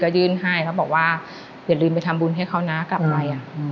อย่าลืมไปทำบุญให้เขานะกลับไป